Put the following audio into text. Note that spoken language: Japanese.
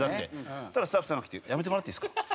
そしたらスタッフさんが来て「やめてもらっていいですか？」。